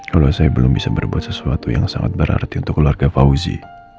kalau saya belum bisa berbuat sesuatu yang sangat berarti untuk keluarga fauzi